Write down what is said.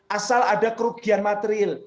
asal ada kerugian material